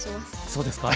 そうですか？